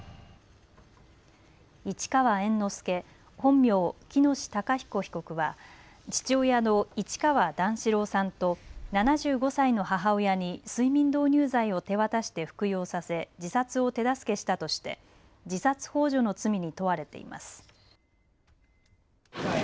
市川猿之助本名、喜熨斗孝彦被告は父親の市川団四郎さんと７５歳の母親に睡眠導入剤を手渡して服用させ自殺を手助けしたとして自殺ほう助の罪に問われています。